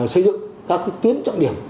xây dựng các tuyến trọng điểm